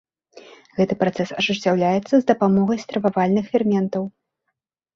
Гэты працэс ажыццяўляецца з дапамогай стрававальных ферментаў.